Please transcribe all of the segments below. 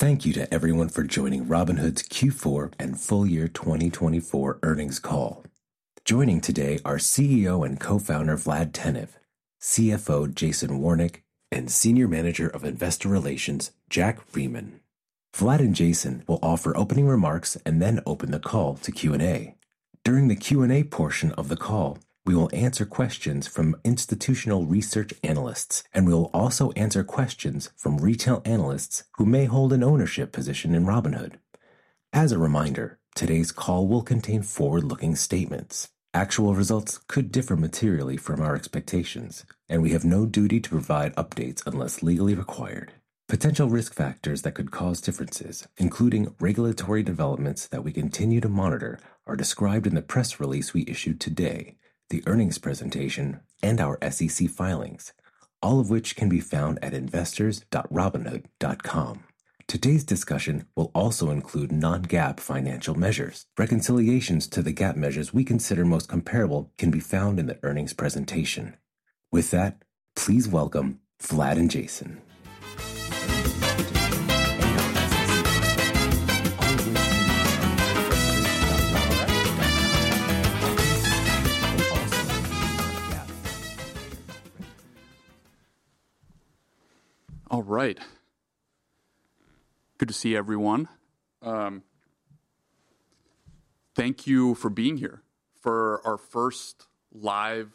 Thank you to everyone for joining Robinhood's Q4 and full year 2024 earnings call. Joining today are CEO and co-founder Vlad Tenev, CFO Jason Warnick, and Senior Manager of Investor Relations Jack Freeman. Vlad and Jason will offer opening remarks and then open the call to Q&A. During the Q&A portion of the call, we will answer questions from institutional research analysts, and we will also answer questions from retail analysts who may hold an ownership position in Robinhood. As a reminder, today's call will contain forward-looking statements. Actual results could differ materially from our expectations, and we have no duty to provide updates unless legally required. Potential risk factors that could cause differences, including regulatory developments that we continue to monitor, are described in the press release we issued today, the earnings presentation, and our SEC filings, all of which can be found at investors.robinhood.com. Today's discussion will also include non-GAAP financial measures. Reconciliations to the GAAP measures we consider most comparable can be found in the earnings presentation. With that, please welcome Vlad and Jason. All right. Good to see everyone. Thank you for being here for our first live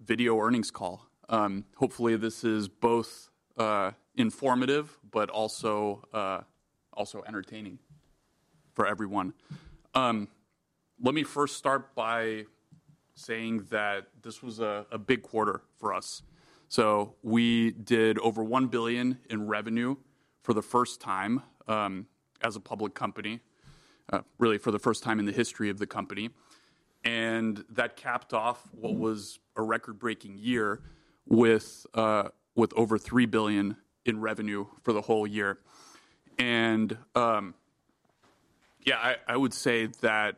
video earnings call. Hopefully, this is both informative but also entertaining for everyone. Let me first start by saying that this was a big quarter for us. So we did over $1 billion in revenue for the first time as a public company, really for the first time in the history of the company. And that capped off what was a record-breaking year with over $3 billion in revenue for the whole year. And yeah, I would say that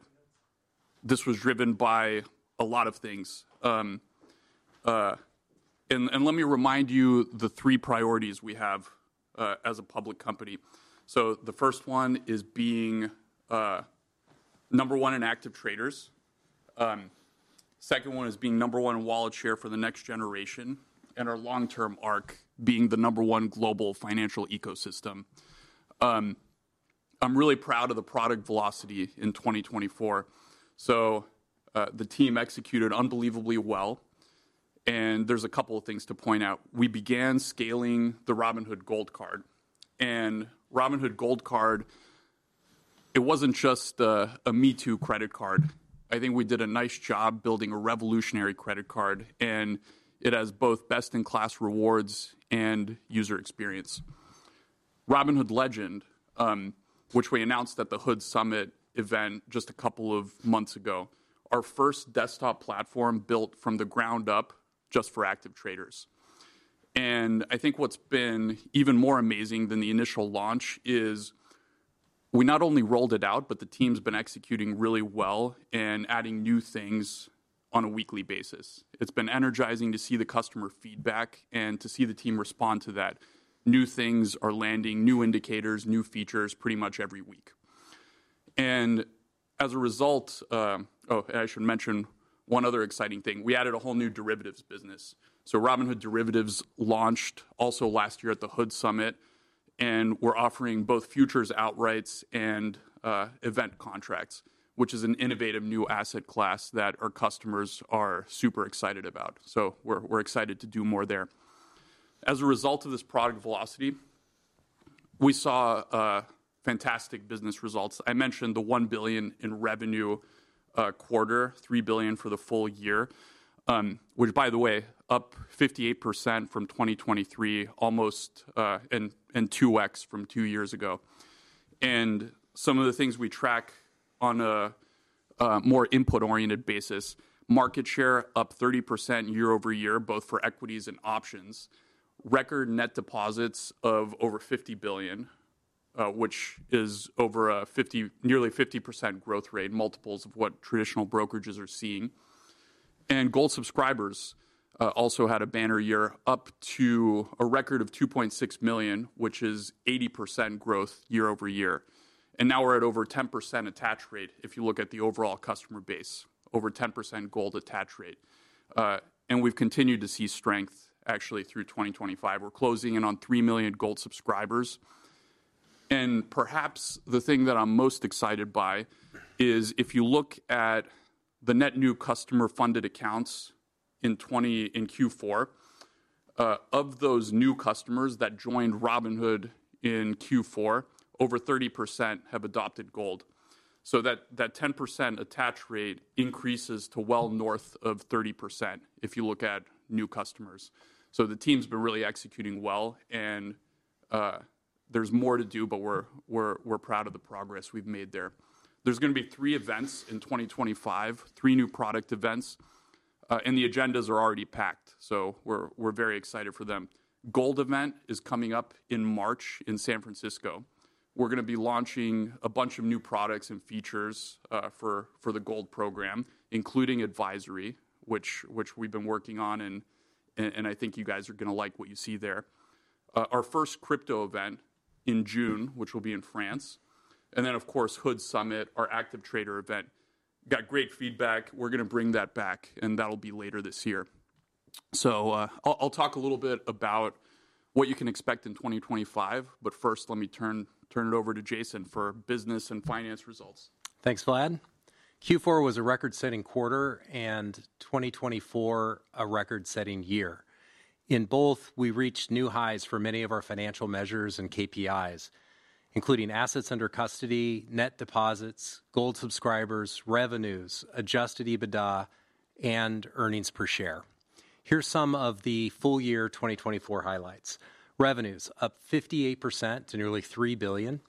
this was driven by a lot of things. And let me remind you of the three priorities we have as a public company. So the first one is being number one in active traders. Second one is being number one in wallet share for the next generation and our long-term arc being the number one global financial ecosystem. I'm really proud of the product velocity in 2024, so the team executed unbelievably well, and there's a couple of things to point out. We began scaling the Robinhood Gold Card. And Robinhood Gold Card, it wasn't just a me-too credit card. I think we did a nice job building a revolutionary credit card. And it has both best-in-class rewards and user experience. Robinhood Legend, which we announced at the HOOD Summit event just a couple of months ago, our first desktop platform built from the ground up just for active traders. And I think what's been even more amazing than the initial launch is we not only rolled it out, but the team's been executing really well and adding new things on a weekly basis. It's been energizing to see the customer feedback and to see the team respond to that. New things are landing, new indicators, new features pretty much every week, and as a result, oh, I should mention one other exciting thing. We added a whole new derivatives business, so Robinhood Derivatives launched also last year at the HOOD Summit, and we're offering both futures outrights and event contracts, which is an innovative new asset class that our customers are super excited about, so we're excited to do more there. As a result of this product velocity, we saw fantastic business results. I mentioned the $1 billion in revenue quarter, $3 billion for the full year, which, by the way, is up 58% from 2023, almost, and 2X from two years ago. And some of the things we track on a more input-oriented basis, market share up 30% year over year, both for equities and options, record net deposits of over $50 billion, which is over nearly a 50% growth rate, multiples of what traditional brokerages are seeing. And gold subscribers also had a banner year, up to a record of 2.6 million, which is 80% growth year over year. And now we're at over 10% attach rate. If you look at the overall customer base, over 10% gold attach rate. And we've continued to see strength, actually, through 2025. We're closing in on 3 million gold subscribers. And perhaps the thing that I'm most excited by is if you look at the net new customer funded accounts in Q4, of those new customers that joined Robinhood in Q4, over 30% have adopted gold. That 10% attach rate increases to well north of 30% if you look at new customers. The team's been really executing well. There's more to do, but we're proud of the progress we've made there. There are going to be three events in 2025, three new product events. The agendas are already packed. We're very excited for them. The Gold event is coming up in March in San Francisco. We're going to be launching a bunch of new products and features for the Gold program, including advisory, which we've been working on. I think you guys are going to like what you see there. Our first crypto event in June will be in France. Then, of course, HOOD Summit, our active trader event. We got great feedback. We're going to bring that back. That'll be later this year. So I'll talk a little bit about what you can expect in 2025. But first, let me turn it over to Jason for business and finance results. Thanks, Vlad. Q4 was a record-setting quarter and 2024 a record-setting year. In both, we reached new highs for many of our financial measures and KPIs, including assets under custody, net deposits, gold subscribers, revenues, adjusted EBITDA, and earnings per share. Here's some of the full year 2024 highlights. Revenues up 58% to nearly $3 billion.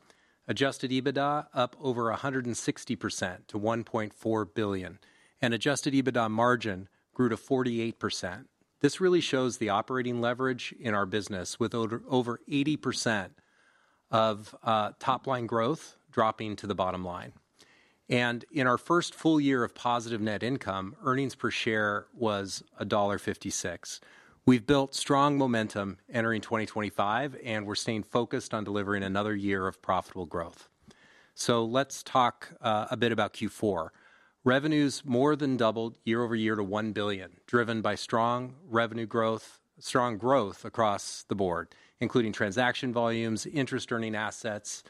Adjusted EBITDA up over 160% to $1.4 billion. And adjusted EBITDA margin grew to 48%. This really shows the operating leverage in our business with over 80% of top-line growth dropping to the bottom line. And in our first full year of positive net income, earnings per share was $1.56. We've built strong momentum entering 2025, and we're staying focused on delivering another year of profitable growth. So let's talk a bit about Q4. Revenues more than doubled year over year to $1 billion, driven by strong revenue growth, strong growth across the board, including transaction volumes, interest-earning assets,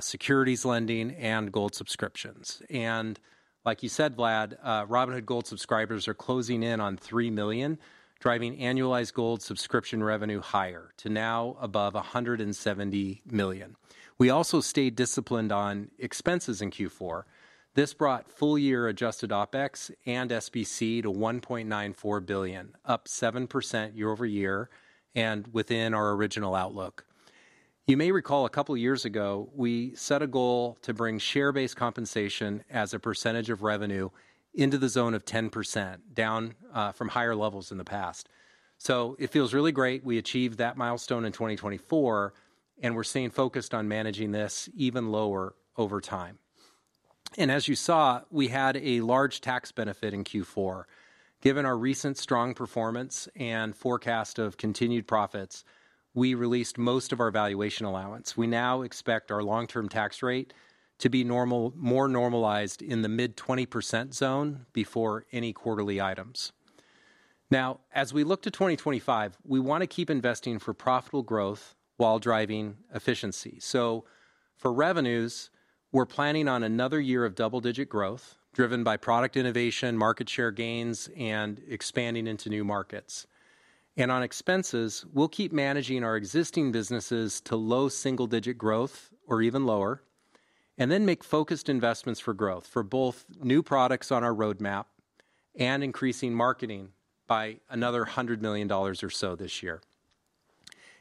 securities lending, and gold subscriptions, and like you said, Vlad, Robinhood Gold subscribers are closing in on 3 million, driving annualized gold subscription revenue higher to now above $170 million. We also stayed disciplined on expenses in Q4. This brought full-year adjusted OpEx and SBC to $1.94 billion, up 7% year over year and within our original outlook. You may recall a couple of years ago, we set a goal to bring share-based compensation as a percentage of revenue into the zone of 10%, down from higher levels in the past, so it feels really great we achieved that milestone in 2024, and we're staying focused on managing this even lower over time. And as you saw, we had a large tax benefit in Q4. Given our recent strong performance and forecast of continued profits, we released most of our valuation allowance. We now expect our long-term tax rate to be more normalized in the mid-20% zone before any quarterly items. Now, as we look to 2025, we want to keep investing for profitable growth while driving efficiency. So for revenues, we're planning on another year of double-digit growth driven by product innovation, market share gains, and expanding into new markets. And on expenses, we'll keep managing our existing businesses to low single-digit growth or even lower, and then make focused investments for growth for both new products on our roadmap and increasing marketing by another $100 million or so this year.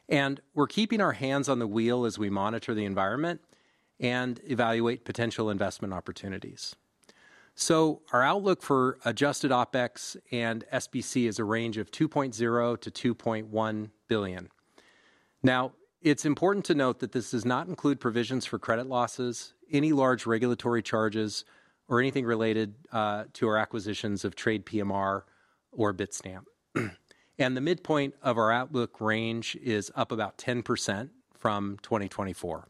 And we're keeping our hands on the wheel as we monitor the environment and evaluate potential investment opportunities. Our outlook for adjusted OpEx and SBC is a range of $2.0-$2.1 billion. Now, it's important to note that this does not include provisions for credit losses, any large regulatory charges, or anything related to our acquisitions of TradePMR or Bitstamp. The midpoint of our outlook range is up about 10% from 2024.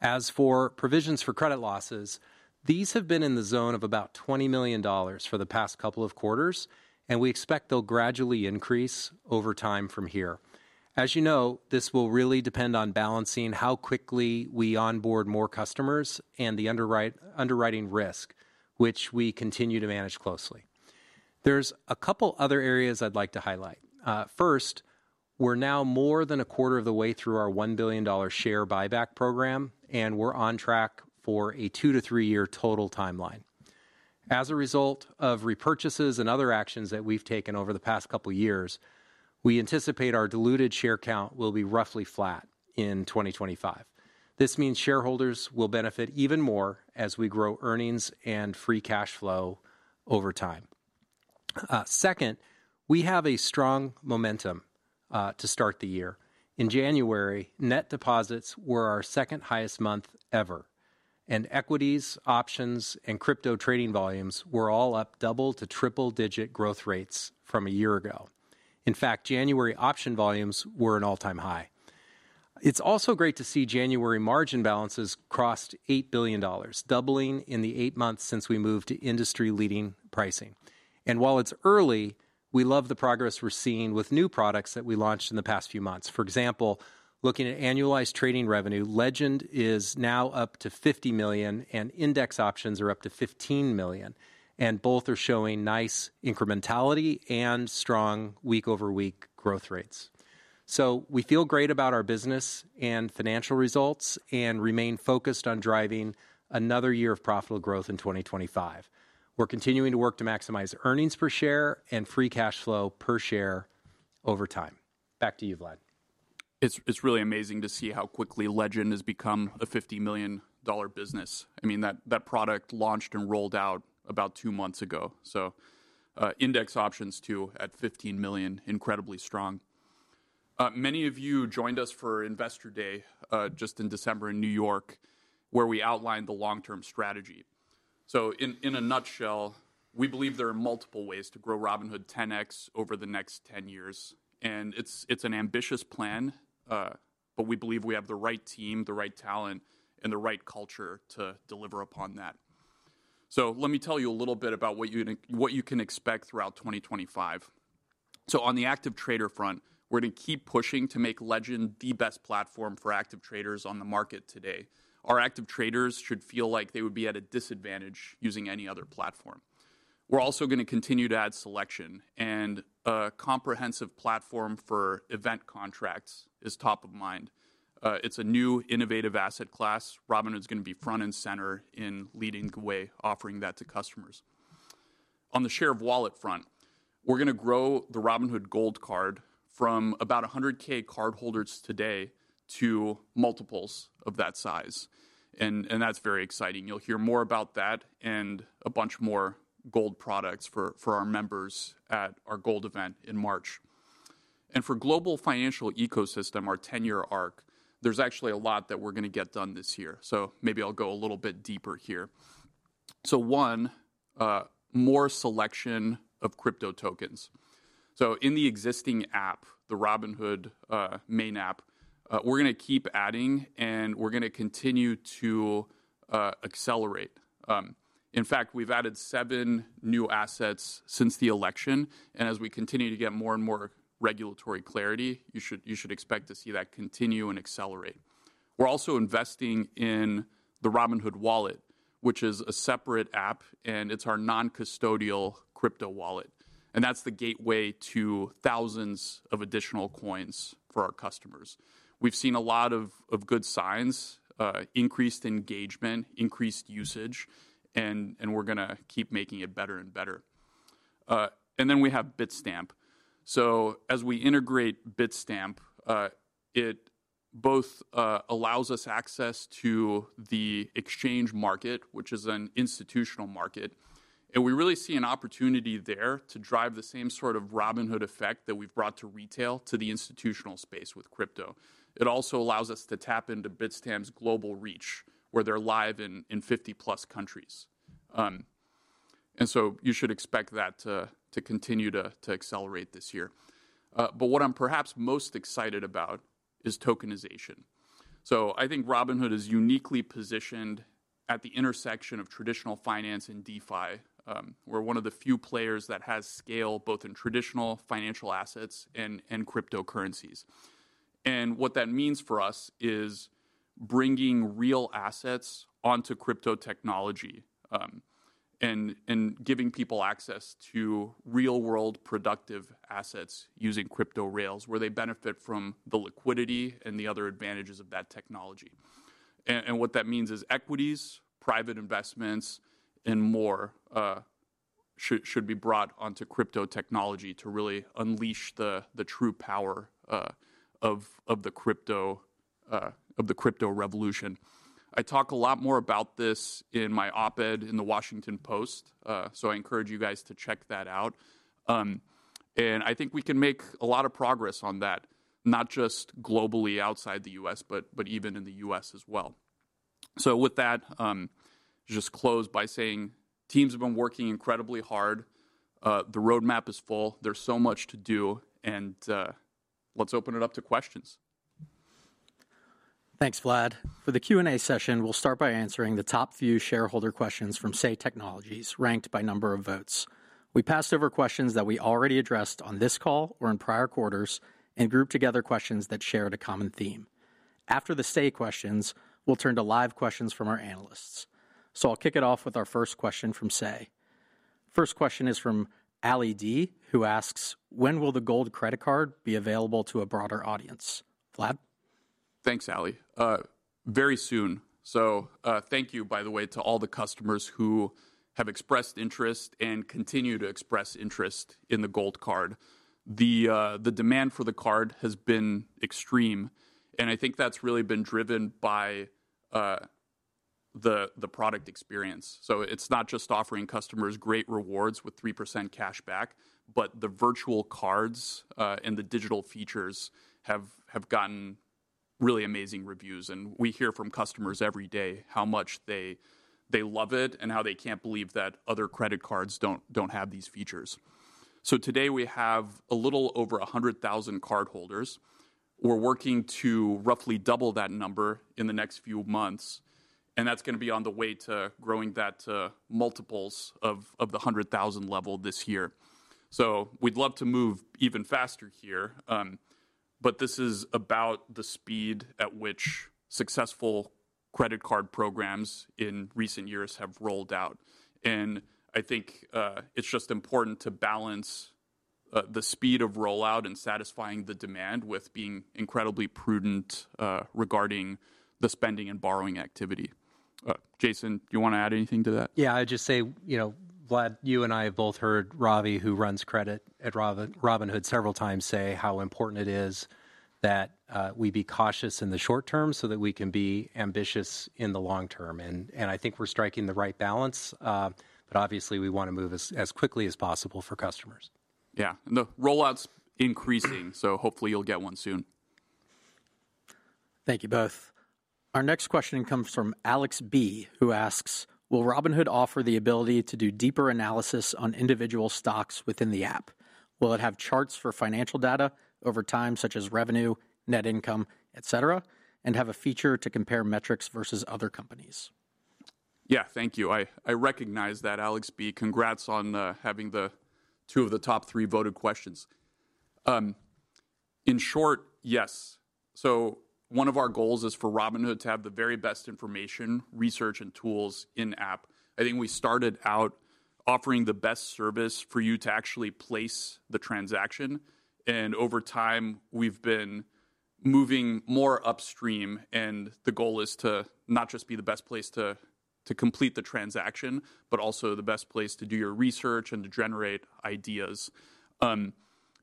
As for provisions for credit losses, these have been in the zone of about $20 million for the past couple of quarters, and we expect they'll gradually increase over time from here. As you know, this will really depend on balancing how quickly we onboard more customers and the underwriting risk, which we continue to manage closely. There's a couple of other areas I'd like to highlight. First, we're now more than a quarter of the way through our $1 billion share buyback program, and we're on track for a two- to three-year total timeline. As a result of repurchases and other actions that we've taken over the past couple of years, we anticipate our diluted share count will be roughly flat in 2025. This means shareholders will benefit even more as we grow earnings and free cash flow over time. Second, we have strong momentum to start the year. In January, net deposits were our second highest month ever, and equities, options, and crypto trading volumes were all up double- to triple-digit growth rates from a year ago. In fact, January option volumes were an all-time high. It's also great to see January margin balances crossed $8 billion, doubling in the eight months since we moved to industry-leading pricing. And while it's early, we love the progress we're seeing with new products that we launched in the past few months. For example, looking at annualized trading revenue, Legend is now up to $50 million, and Index Options are up to $15 million. And both are showing nice incrementality and strong week-over-week growth rates. So we feel great about our business and financial results and remain focused on driving another year of profitable growth in 2025. We're continuing to work to maximize earnings per share and free cash flow per share over time. Back to you, Vlad. It's really amazing to see how quickly Legend has become a $50 million business. I mean, that product launched and rolled out about two months ago. So, Index Options too at $15 million, incredibly strong. Many of you joined us for Investor Day just in December in New York, where we outlined the long-term strategy. So, in a nutshell, we believe there are multiple ways to grow Robinhood 10X over the next 10 years. And it's an ambitious plan, but we believe we have the right team, the right talent, and the right culture to deliver upon that. So, let me tell you a little bit about what you can expect throughout 2025. So, on the active trader front, we're going to keep pushing to make Legend the best platform for active traders on the market today. Our active traders should feel like they would be at a disadvantage using any other platform. We're also going to continue to add selection. And a comprehensive platform for event contracts is top of mind. It's a new innovative asset class. Robinhood's going to be front and center in leading the way offering that to customers. On the share of wallet front, we're going to grow the Robinhood Gold Card from about 100K cardholders today to multiples of that size. And that's very exciting. You'll hear more about that and a bunch more gold products for our members at our gold event in March. And for global financial ecosystem, our ten-year arc, there's actually a lot that we're going to get done this year. So maybe I'll go a little bit deeper here. So one, more selection of crypto tokens. So in the existing app, the Robinhood main app, we're going to keep adding, and we're going to continue to accelerate. In fact, we've added seven new assets since the election. And as we continue to get more and more regulatory clarity, you should expect to see that continue and accelerate. We're also investing in the Robinhood Wallet, which is a separate app, and it's our non-custodial crypto wallet. And that's the gateway to thousands of additional coins for our customers. We've seen a lot of good signs, increased engagement, increased usage, and we're going to keep making it better and better. And then we have Bitstamp. So as we integrate Bitstamp, it both allows us access to the exchange market, which is an institutional market. And we really see an opportunity there to drive the same sort of Robinhood effect that we've brought to retail, to the institutional space with crypto. It also allows us to tap into Bitstamp's global reach, where they're live in 50-plus countries. And so you should expect that to continue to accelerate this year. But what I'm perhaps most excited about is tokenization. So I think Robinhood is uniquely positioned at the intersection of traditional finance and DeFi. We're one of the few players that has scale both in traditional financial assets and cryptocurrencies. And what that means for us is bringing real assets onto crypto technology and giving people access to real-world productive assets using crypto rails, where they benefit from the liquidity and the other advantages of that technology. And what that means is equities, private investments, and more should be brought onto crypto technology to really unleash the true power of the crypto revolution. I talk a lot more about this in my op-ed in The Washington Post. So I encourage you guys to check that out. And I think we can make a lot of progress on that, not just globally outside the U.S., but even in the U.S. as well. So with that, just close by saying teams have been working incredibly hard. The roadmap is full. There's so much to do. And let's open it up to questions. Thanks, Vlad. For the Q&A session, we'll start by answering the top few shareholder questions from Say Technologies, ranked by number of votes. We passed over questions that we already addressed on this call or in prior quarters and grouped together questions that shared a common theme. After the Say questions, we'll turn to live questions from our analysts. So I'll kick it off with our first question from Say. First question is from Ali D, who asks, when will the gold credit card be available to a broader audience? Vlad? Thanks, Ali. Very soon. So thank you, by the way, to all the customers who have expressed interest and continue to express interest in the gold card. The demand for the card has been extreme. And I think that's really been driven by the product experience. So it's not just offering customers great rewards with 3% cashback, but the virtual cards and the digital features have gotten really amazing reviews. And we hear from customers every day how much they love it and how they can't believe that other credit cards don't have these features. So today we have a little over 100,000 cardholders. We're working to roughly double that number in the next few months. And that's going to be on the way to growing that multiples of the 100,000 level this year. So we'd love to move even faster here. But this is about the speed at which successful credit card programs in recent years have rolled out. And I think it's just important to balance the speed of rollout and satisfying the demand with being incredibly prudent regarding the spending and borrowing activity. Jason, do you want to add anything to that? Yeah, I'd just say, Vlad, you and I have both heard Ravi, who runs credit at Robinhood several times, say how important it is that we be cautious in the short term so that we can be ambitious in the long term. And I think we're striking the right balance. But obviously, we want to move as quickly as possible for customers. Yeah, and the rollout's increasing. So hopefully you'll get one soon. Thank you both. Our next question comes from Alex B, who asks, will Robinhood offer the ability to do deeper analysis on individual stocks within the app? Will it have charts for financial data over time, such as revenue, net income, etc., and have a feature to compare metrics versus other companies? Yeah, thank you. I recognize that, Alex B. Congrats on having two of the top three voted questions. In short, yes. So one of our goals is for Robinhood to have the very best information, research, and tools in-app. I think we started out offering the best service for you to actually place the transaction. And over time, we've been moving more upstream. And the goal is to not just be the best place to complete the transaction, but also the best place to do your research and to generate ideas.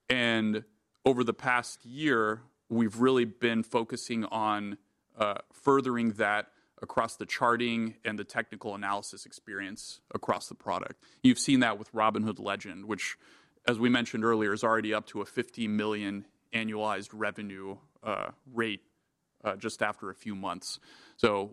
And over the past year, we've really been focusing on furthering that across the charting and the technical analysis experience across the product. You've seen that with Robinhood Legend, which, as we mentioned earlier, is already up to a $50 million annualized revenue rate just after a few months.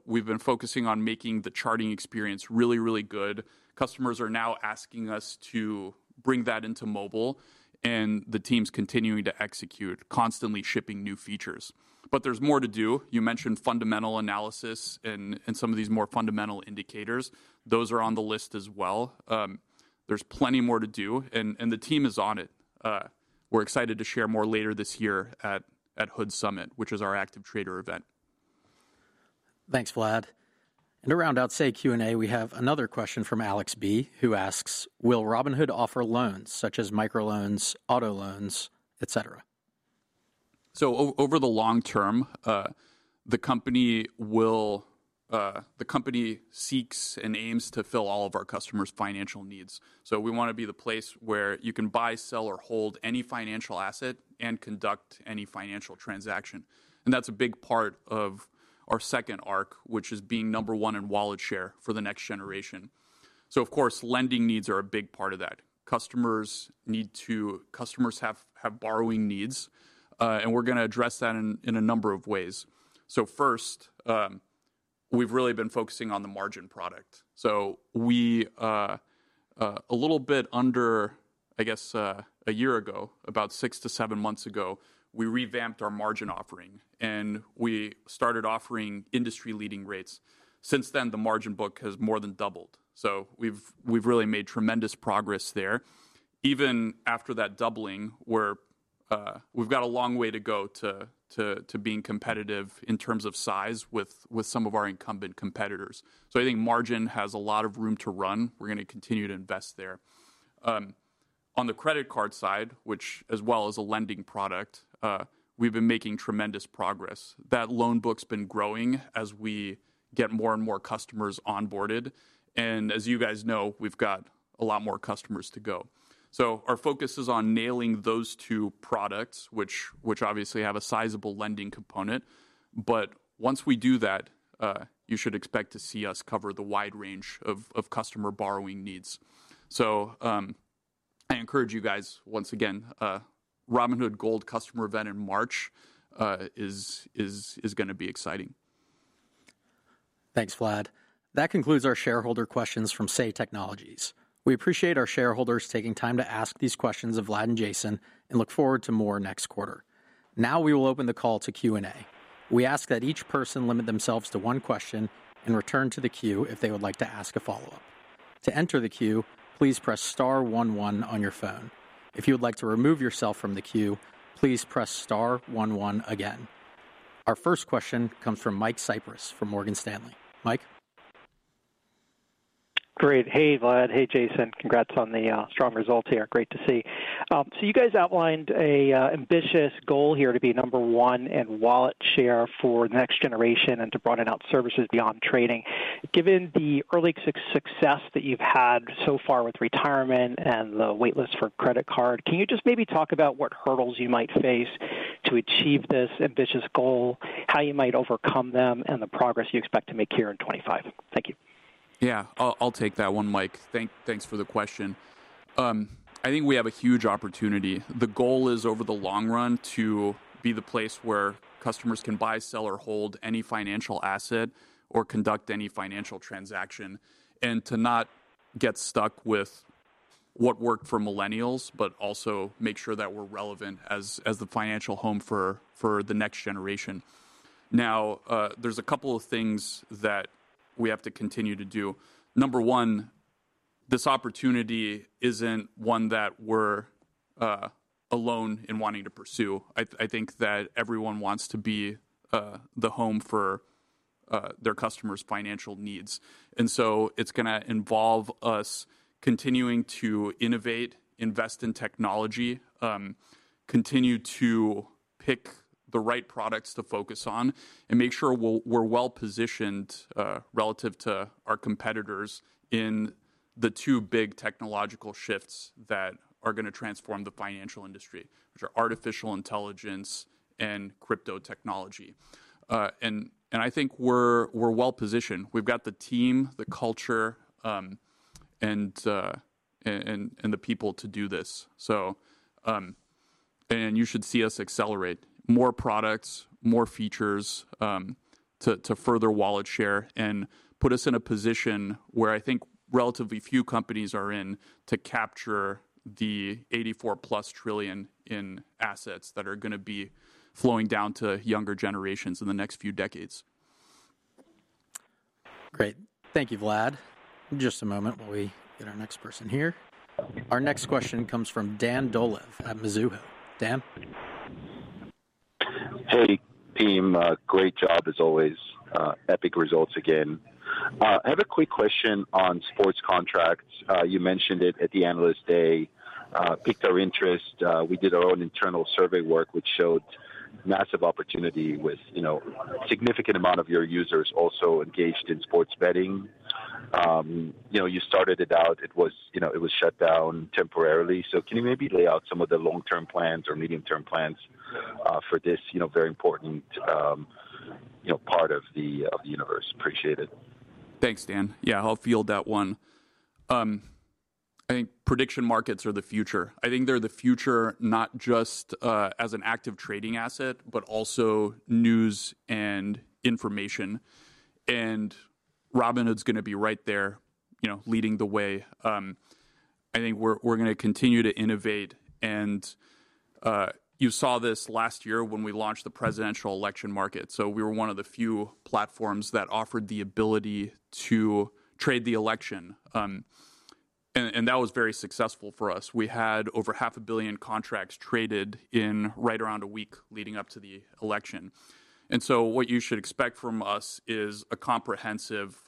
We've been focusing on making the charting experience really, really good. Customers are now asking us to bring that into mobile. And the team's continuing to execute, constantly shipping new features. But there's more to do. You mentioned fundamental analysis and some of these more fundamental indicators. Those are on the list as well. There's plenty more to do. And the team is on it. We're excited to share more later this year at HOOD Summit, which is our active trader event. Thanks, Vlad. And to round out the Q&A, we have another question from Alex B, who asks, "Will Robinhood offer loans such as microloans, auto loans, etc.? Over the long term, the company seeks and aims to fill all of our customers' financial needs. We want to be the place where you can buy, sell, or hold any financial asset and conduct any financial transaction. That's a big part of our second arc, which is being number one in wallet share for the next generation. Of course, lending needs are a big part of that. Customers have borrowing needs. We're going to address that in a number of ways. First, we've really been focusing on the margin product. A little bit under, I guess, a year ago, about six-to-seven months ago, we revamped our margin offering. And we started offering industry-leading rates. Since then, the margin book has more than doubled. We've really made tremendous progress there. Even after that doubling, we've got a long way to go to being competitive in terms of size with some of our incumbent competitors. So I think margin has a lot of room to run. We're going to continue to invest there. On the credit card side, which, as well as a lending product, we've been making tremendous progress. That loan book's been growing as we get more and more customers onboarded. And as you guys know, we've got a lot more customers to go. So our focus is on nailing those two products, which obviously have a sizable lending component. But once we do that, you should expect to see us cover the wide range of customer borrowing needs. So I encourage you guys, once again, Robinhood Gold customer event in March is going to be exciting. Thanks, Vlad. That concludes our shareholder questions from Say Technologies. We appreciate our shareholders taking time to ask these questions of Vlad and Jason and look forward to more next quarter. Now we will open the call to Q&A. We ask that each person limit themselves to one question and return to the queue if they would like to ask a follow-up. To enter the queue, please press star 11 on your phone. If you would like to remove yourself from the queue, please press star 11 again. Our first question comes from Mike Cyprys from Morgan Stanley. Mike. Great. Hey, Vlad. Hey, Jason. Congrats on the strong results here. Great to see. So you guys outlined an ambitious goal here to be number one in wallet share for the next generation and to broaden out services beyond trading. Given the early success that you've had so far with retirement and the waitlist for credit card, can you just maybe talk about what hurdles you might face to achieve this ambitious goal, how you might overcome them, and the progress you expect to make here in 2025? Thank you. Yeah, I'll take that one, Mike. Thanks for the question. I think we have a huge opportunity. The goal is, over the long run, to be the place where customers can buy, sell, or hold any financial asset or conduct any financial transaction and to not get stuck with what worked for millennials, but also make sure that we're relevant as the financial home for the next generation. Now, there's a couple of things that we have to continue to do. Number one, this opportunity isn't one that we're alone in wanting to pursue. I think that everyone wants to be the home for their customers' financial needs. So it's going to involve us continuing to innovate, invest in technology, continue to pick the right products to focus on, and make sure we're well positioned relative to our competitors in the two big technological shifts that are going to transform the financial industry, which are artificial intelligence and crypto technology. I think we're well positioned. We've got the team, the culture, and the people to do this. You should see us accelerate more products, more features to further wallet share and put us in a position where I think relatively few companies are in to capture the $84-plus trillion in assets that are going to be flowing down to younger generations in the next few decades. Great. Thank you, Vlad. Just a moment while we get our next person here. Our next question comes from Dan Dolev at Mizuho. Dan? Hey, team. Great job as always. Epic results again. I have a quick question on sports contracts. You mentioned it at the analyst day. It piqued our interest. We did our own internal survey work, which showed massive opportunity with a significant amount of your users also engaged in sports betting. You started it out. It was shut down temporarily. So can you maybe lay out some of the long-term plans or medium-term plans for this very important part of the universe? Appreciate it. Thanks, Dan. Yeah, I'll field that one. I think prediction markets are the future. I think they're the future not just as an active trading asset, but also news and information, and Robinhood's going to be right there leading the way. I think we're going to continue to innovate, and you saw this last year when we launched the presidential election market, so we were one of the few platforms that offered the ability to trade the election, and that was very successful for us. We had over 500 million contracts traded in right around a week leading up to the election, and so what you should expect from us is a comprehensive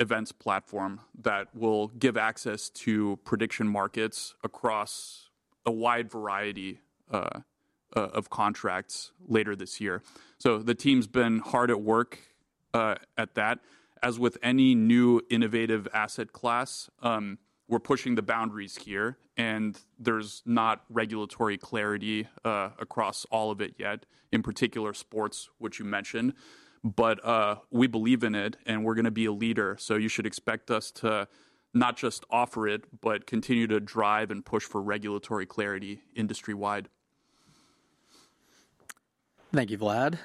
events platform that will give access to prediction markets across a wide variety of contracts later this year, so the team's been hard at work at that. As with any new innovative asset class, we're pushing the boundaries here. And there's not regulatory clarity across all of it yet, in particular sports, which you mentioned. But we believe in it. And we're going to be a leader. So you should expect us to not just offer it, but continue to drive and push for regulatory clarity industry-wide. Thank you, Vlad,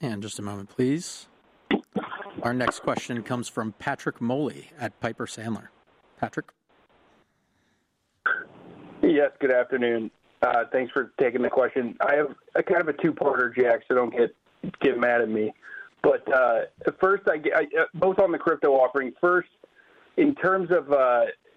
and just a moment, please. Our next question comes from Patrick Moley at Piper Sandler. Patrick? Yes, good afternoon. Thanks for taking the question. I have kind of a two-parter, Jack, so don't get mad at me. But first, both on the crypto offering, first, in terms of,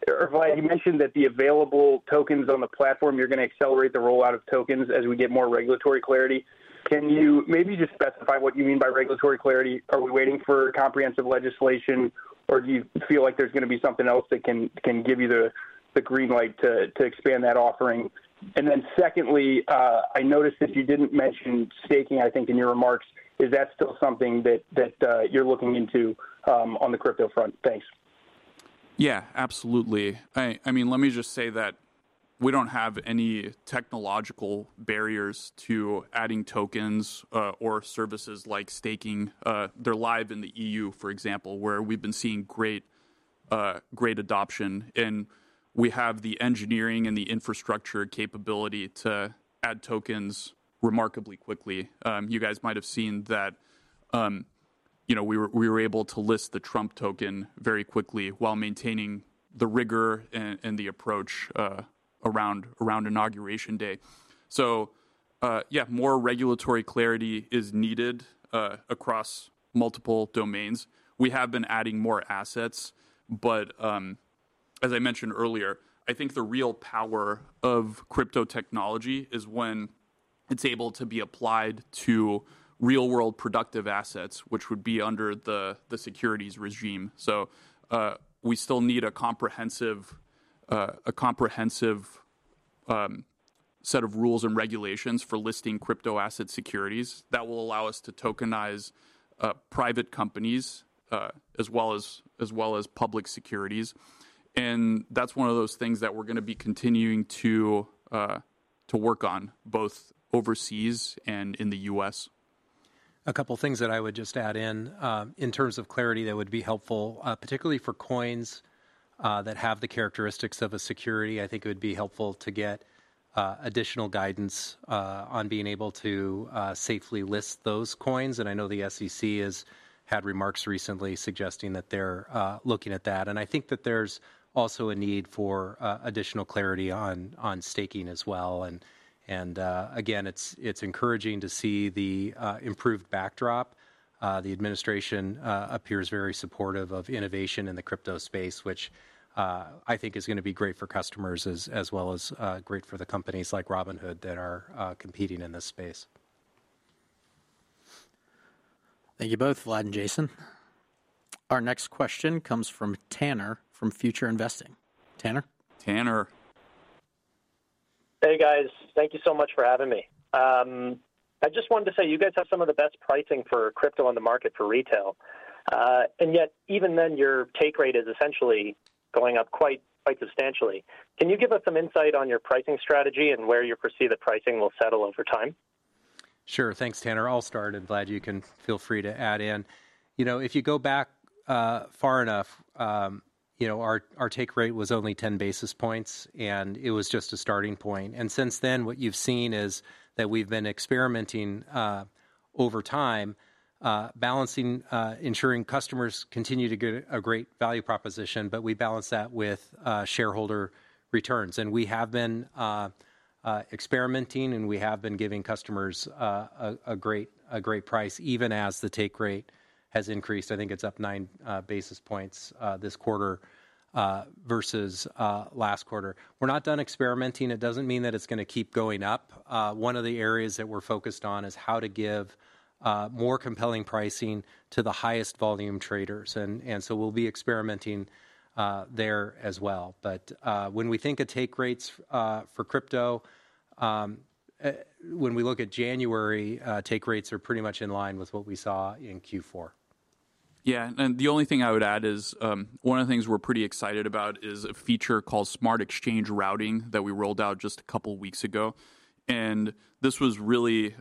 Vlad, you mentioned that the available tokens on the platform, you're going to accelerate the rollout of tokens as we get more regulatory clarity. Can you maybe just specify what you mean by regulatory clarity? Are we waiting for comprehensive legislation, or do you feel like there's going to be something else that can give you the green light to expand that offering? And then secondly, I noticed that you didn't mention staking, I think, in your remarks. Is that still something that you're looking into on the crypto front? Thanks. Yeah, absolutely. I mean, let me just say that we don't have any technological barriers to adding tokens or services like staking. They're live in the E.U., for example, where we've been seeing great adoption. And we have the engineering and the infrastructure capability to add tokens remarkably quickly. You guys might have seen that we were able to list the Trump token very quickly while maintaining the rigor and the approach around inauguration day. So yeah, more regulatory clarity is needed across multiple domains. We have been adding more assets. But as I mentioned earlier, I think the real power of crypto technology is when it's able to be applied to real-world productive assets, which would be under the securities regime. So we still need a comprehensive set of rules and regulations for listing crypto asset securities that will allow us to tokenize private companies as well as public securities. And that's one of those things that we're going to be continuing to work on, both overseas and in the U.S. A couple of things that I would just add in. In terms of clarity, that would be helpful, particularly for coins that have the characteristics of a security. I think it would be helpful to get additional guidance on being able to safely list those coins. And I know the SEC has had remarks recently suggesting that they're looking at that. And I think that there's also a need for additional clarity on staking as well. And again, it's encouraging to see the improved backdrop. The administration appears very supportive of innovation in the crypto space, which I think is going to be great for customers as well as great for the companies like Robinhood that are competing in this space. Thank you both, Vlad and Jason. Our next question comes from Tanner from Future Investing. Tanner? Tanner. Hey, guys. Thank you so much for having me. I just wanted to say you guys have some of the best pricing for crypto on the market for retail. And yet, even then, your take rate is essentially going up quite substantially. Can you give us some insight on your pricing strategy and where you foresee the pricing will settle over time? Sure. Thanks, Tanner. I'll start. And Vlad, you can feel free to add in. If you go back far enough, our take rate was only 10 basis points. And it was just a starting point. And since then, what you've seen is that we've been experimenting over time, balancing, ensuring customers continue to get a great value proposition. But we balance that with shareholder returns. And we have been experimenting. And we have been giving customers a great price, even as the take rate has increased. I think it's up nine basis points this quarter versus last quarter. We're not done experimenting. It doesn't mean that it's going to keep going up. One of the areas that we're focused on is how to give more compelling pricing to the highest volume traders. And so we'll be experimenting there as well. But when we think of take rates for crypto, when we look at January, take rates are pretty much in line with what we saw in Q4. Yeah. And the only thing I would add is one of the things we're pretty excited about is a feature called Smart Exchange Routing that we rolled out just a couple of weeks ago. And this was really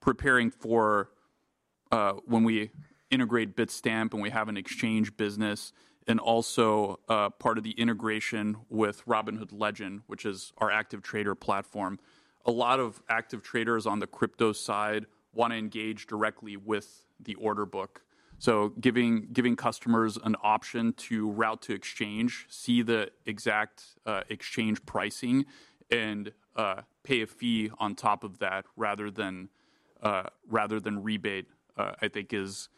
preparing for when we integrate Bitstamp and we have an exchange business and also part of the integration with Robinhood Legend, which is our active trader platform. A lot of active traders on the crypto side want to engage directly with the order book. So giving customers an option to route to exchange, see the exact exchange pricing, and pay a fee on top of that rather than rebate, I think, is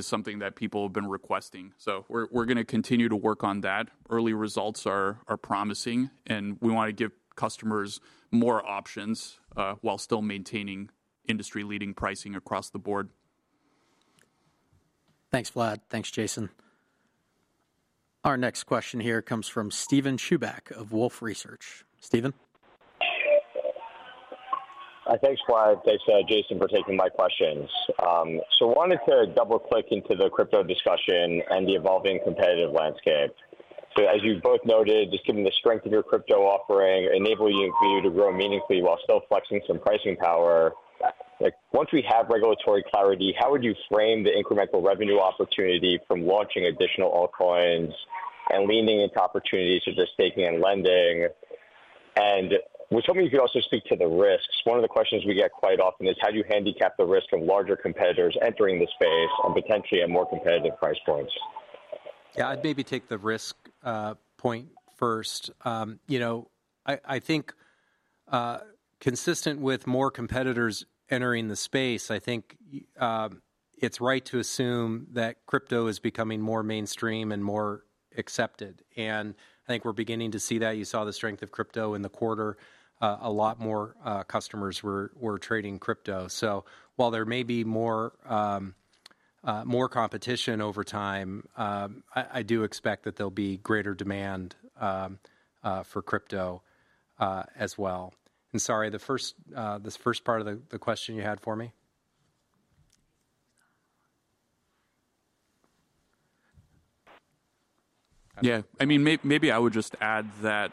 something that people have been requesting. So we're going to continue to work on that. Early results are promising. And we want to give customers more options while still maintaining industry-leading pricing across the board. Thanks, Vlad. Thanks, Jason. Our next question here comes from Steven Chubak of Wolfe Research. Steven? Thanks, Vlad. Thanks, Jason, for taking my questions. So I wanted to double-click into the crypto discussion and the evolving competitive landscape. So as you've both noted, just given the strength of your crypto offering, enabling you to grow meaningfully while still flexing some pricing power. Once we have regulatory clarity, how would you frame the incremental revenue opportunity from launching additional altcoins and leaning into opportunities such as staking and lending? And I was hoping you could also speak to the risks. One of the questions we get quite often is, how do you handicap the risk of larger competitors entering the space and potentially at more competitive price points? Yeah, I'd maybe take the risk point first. I think consistent with more competitors entering the space, I think it's right to assume that crypto is becoming more mainstream and more accepted. And I think we're beginning to see that. You saw the strength of crypto in the quarter. A lot more customers were trading crypto. So while there may be more competition over time, I do expect that there'll be greater demand for crypto as well. And sorry, this first part of the question you had for me? Yeah. I mean, maybe I would just add that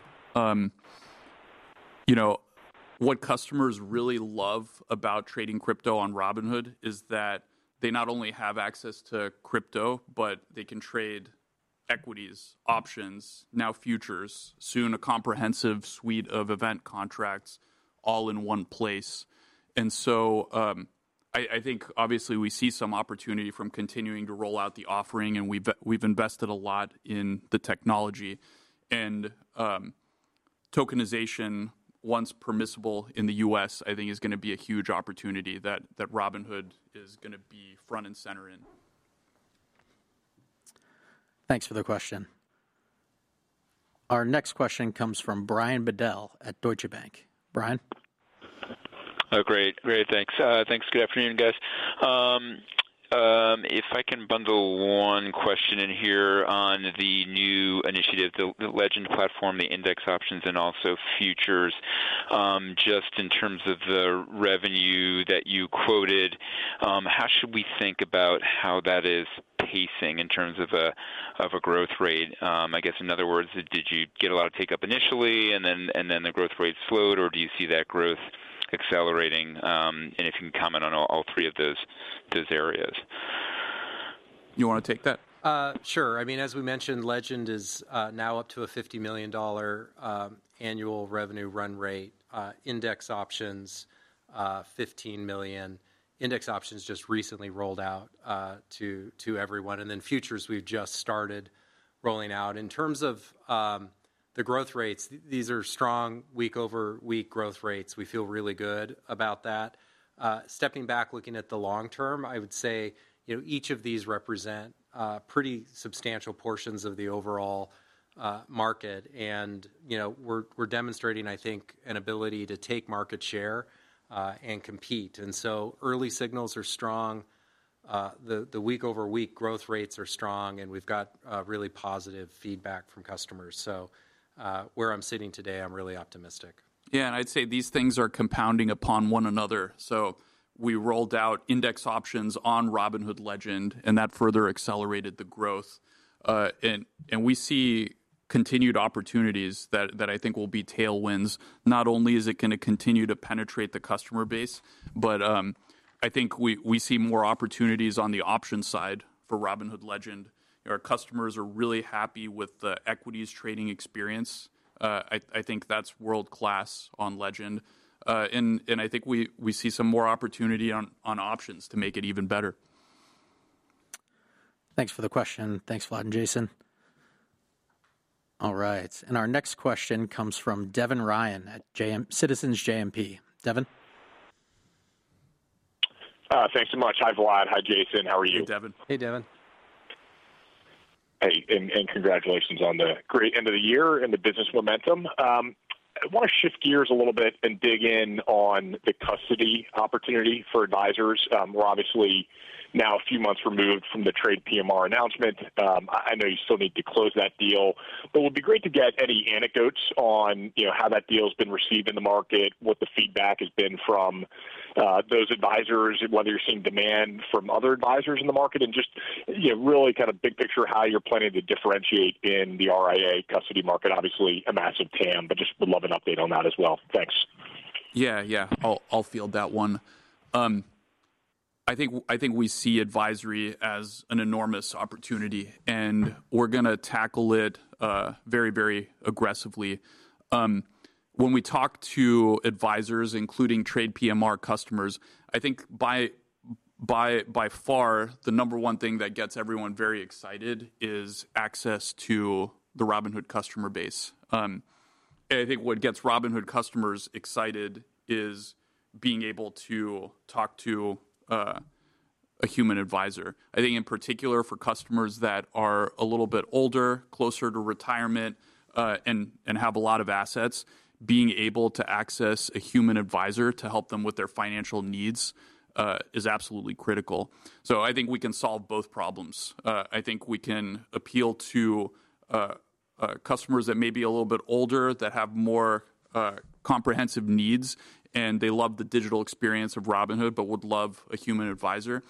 what customers really love about trading crypto on Robinhood is that they not only have access to crypto, but they can trade equities, options, now futures, soon a comprehensive suite of event contracts all in one place, and so I think, obviously, we see some opportunity from continuing to roll out the offering, and we've invested a lot in the technology, and tokenization, once permissible in the U.S., I think is going to be a huge opportunity that Robinhood is going to be front and center in. Thanks for the question. Our next question comes from Brian Bedell at Deutsche Bank. Brian? Oh, great. Great. Thanks. Thanks. Good afternoon, guys. If I can bundle one question in here on the new initiative, the Legend platform, the index options, and also futures, just in terms of the revenue that you quoted, how should we think about how that is pacing in terms of a growth rate? I guess, in other words, did you get a lot of take up initially, and then the growth rate slowed, or do you see that growth accelerating? And if you can comment on all three of those areas. You want to take that? Sure. I mean, as we mentioned, Legend is now up to a $50 million annual revenue run rate. Index options, $15 million. Index options just recently rolled out to everyone. And then futures, we've just started rolling out. In terms of the growth rates, these are strong week-over-week growth rates. We feel really good about that. Stepping back, looking at the long term, I would say each of these represent pretty substantial portions of the overall market. And we're demonstrating, I think, an ability to take market share and compete. And so early signals are strong. The week-over-week growth rates are strong. And we've got really positive feedback from customers. So where I'm sitting today, I'm really optimistic. Yeah, and I'd say these things are compounding upon one another, so we rolled out index options on Robinhood Legend, and that further accelerated the growth, and we see continued opportunities that I think will be tailwinds. Not only is it going to continue to penetrate the customer base, but I think we see more opportunities on the options side for Robinhood Legend. Our customers are really happy with the equities trading experience. I think that's world-class on Legend, and I think we see some more opportunity on options to make it even better. Thanks for the question. Thanks, Vlad and Jason. All right, and our next question comes from Devin Ryan at Citizens JMP. Devin? Thanks so much. Hi, Vlad. Hi, Jason. How are you? Hey, Devin. Hey, Devin. Hey. Congratulations on the great end of the year and the business momentum. I want to shift gears a little bit and dig in on the custody opportunity for advisors. We're obviously now a few months removed from the TradePMR announcement. I know you still need to close that deal. It would be great to get any anecdotes on how that deal has been received in the market, what the feedback has been from those advisors, whether you're seeing demand from other advisors in the market, and just really kind of big picture how you're planning to differentiate in the RIA custody market. Obviously, a massive TAM. I would just love an update on that as well. Thanks. Yeah, yeah. I'll field that one. I think we see advisory as an enormous opportunity. And we're going to tackle it very, very aggressively. When we talk to advisors, including TradePMR customers, I think by far the number one thing that gets everyone very excited is access to the Robinhood customer base. And I think what gets Robinhood customers excited is being able to talk to a human advisor. I think in particular for customers that are a little bit older, closer to retirement, and have a lot of assets, being able to access a human advisor to help them with their financial needs is absolutely critical. So I think we can solve both problems. I think we can appeal to customers that may be a little bit older, that have more comprehensive needs. And they love the digital experience of Robinhood, but would love a human advisor.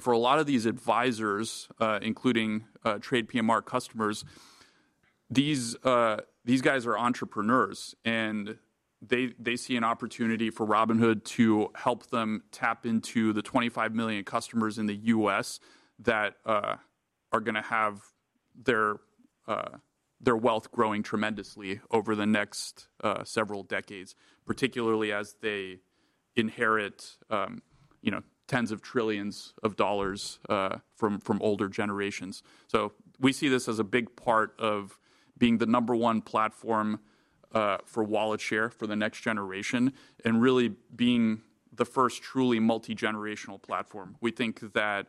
For a lot of these advisors, including TradePMR customers, these guys are entrepreneurs. They see an opportunity for Robinhood to help them tap into the 25 million customers in the U.S. that are going to have their wealth growing tremendously over the next several decades, particularly as they inherit tens of trillions of dollars from older generations. We see this as a big part of being the number one platform for wallet share for the next generation and really being the first truly multi-generational platform. We think that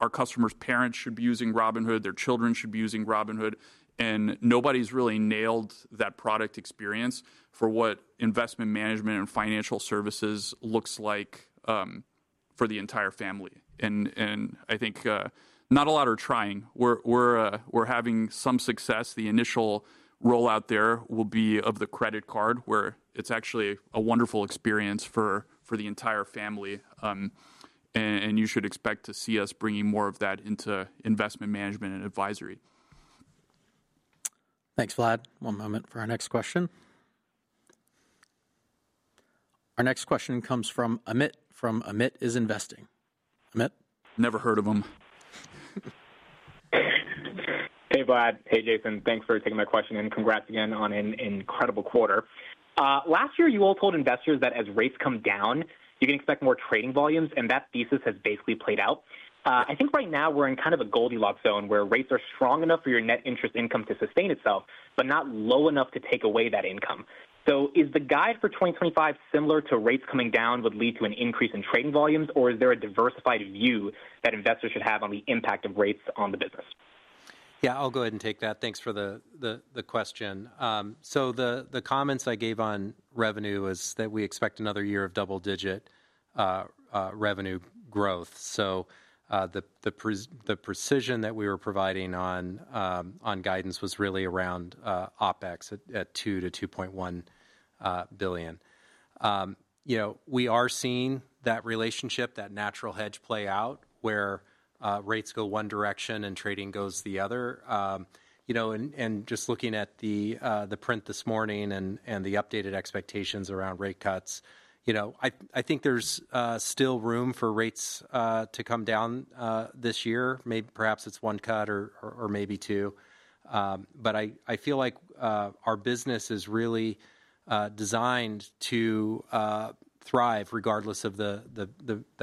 our customers' parents should be using Robinhood. Their children should be using Robinhood. Nobody's really nailed that product experience for what investment management and financial services looks like for the entire family. I think not a lot are trying. We're having some success. The initial rollout there will be of the credit card, where it's actually a wonderful experience for the entire family, and you should expect to see us bringing more of that into investment management and advisory. Thanks, Vlad. One moment for our next question. Our next question comes from Amit from Amit's Investing. Amit? Never heard of him. Hey, Vlad. Hey, Jason. Thanks for taking my question. And congrats again on an incredible quarter. Last year, you all told investors that as rates come down, you can expect more trading volumes. And that thesis has basically played out. I think right now we're in kind of a Goldilocks zone, where rates are strong enough for your net interest income to sustain itself, but not low enough to take away that income. So is the guide for 2025 similar to rates coming down would lead to an increase in trading volumes? Or is there a diversified view that investors should have on the impact of rates on the business? Yeah, I'll go ahead and take that. Thanks for the question, so the comments I gave on revenue is that we expect another year of double-digit revenue growth, so the precision that we were providing on guidance was really around OpEx at $2-$2.1 billion. We are seeing that relationship, that natural hedge play out, where rates go one direction and trading goes the other, and just looking at the print this morning and the updated expectations around rate cuts, I think there's still room for rates to come down this year. Maybe perhaps it's one cut or maybe two, but I feel like our business is really designed to thrive, regardless of the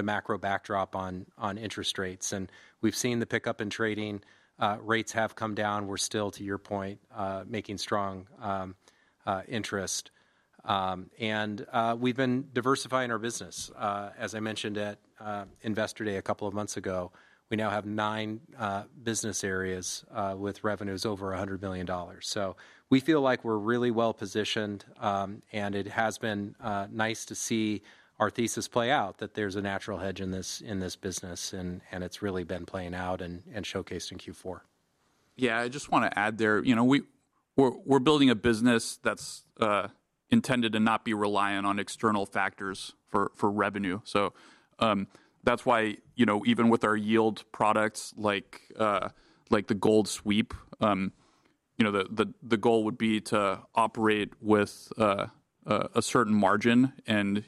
macro backdrop on interest rates, and we've seen the pickup in trading. Rates have come down. We're still, to your point, making strong interest, and we've been diversifying our business. As I mentioned at Investor Day a couple of months ago, we now have nine business areas with revenues over $100 million, so we feel like we're really well positioned, and it has been nice to see our thesis play out, that there's a natural hedge in this business, and it's really been playing out and showcased in Q4. Yeah. I just want to add there, we're building a business that's intended to not be reliant on external factors for revenue. So that's why even with our yield products, like the Gold Sweep, the goal would be to operate with a certain margin and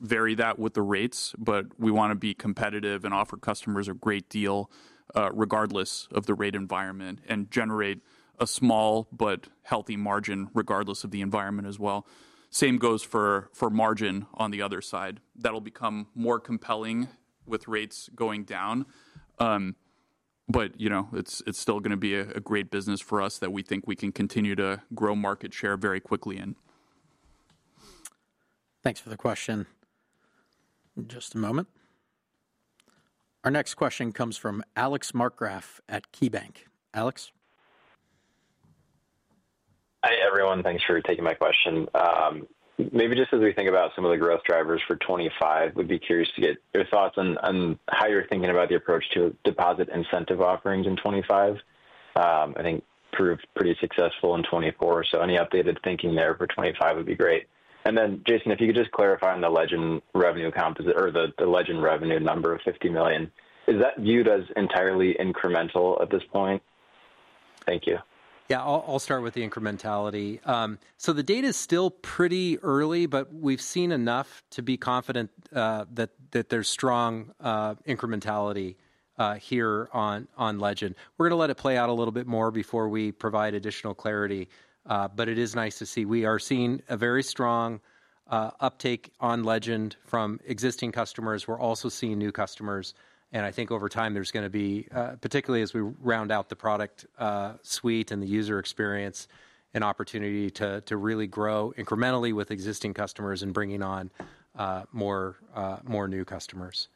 vary that with the rates. But we want to be competitive and offer customers a great deal, regardless of the rate environment, and generate a small but healthy margin, regardless of the environment as well. Same goes for margin on the other side. That'll become more compelling with rates going down. But it's still going to be a great business for us that we think we can continue to grow market share very quickly in. Thanks for the question. Just a moment. Our next question comes from Alex Markgraff at KeyBanc. Alex? Hi, everyone. Thanks for taking my question. Maybe just as we think about some of the growth drivers for 2025, we'd be curious to get your thoughts on how you're thinking about the approach to deposit incentive offerings in 2025. I think proved pretty successful in 2024. So any updated thinking there for 2025 would be great. And then, Jason, if you could just clarify on the Legend revenue comp or the Legend revenue number of $50 million. Is that viewed as entirely incremental at this point? Thank you. Yeah. I'll start with the incrementality. So the data is still pretty early. But we've seen enough to be confident that there's strong incrementality here on Legend. We're going to let it play out a little bit more before we provide additional clarity. But it is nice to see we are seeing a very strong uptake on Legend from existing customers. We're also seeing new customers. And I think over time, there's going to be, particularly as we round out the product suite and the user experience, an opportunity to really grow incrementally with existing customers and bringing on more new customers.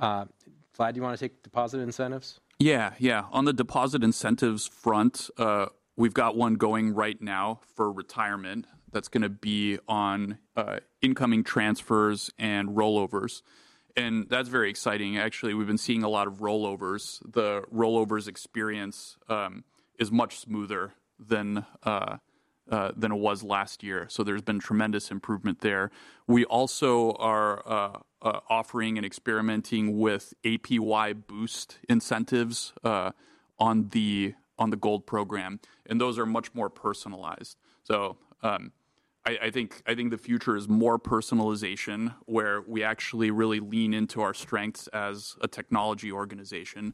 Vlad, do you want to take deposit incentives? Yeah, yeah. On the deposit incentives front, we've got one going right now for retirement that's going to be on incoming transfers and rollovers, and that's very exciting. Actually, we've been seeing a lot of rollovers. The rollovers experience is much smoother than it was last year. So there's been tremendous improvement there. We also are offering and experimenting with APY boost incentives on the Gold program, and those are much more personalized. So I think the future is more personalization, where we actually really lean into our strengths as a technology organization,